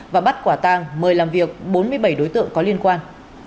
và bắt quả tàng mời làm việc bốn mươi bảy đối tượng có liên quan